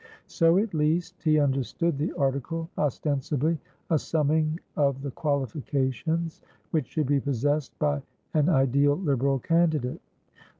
So, at least, he understood the article, ostensibly a summing of the qualifications which should be possessed by an ideal Liberal candidate.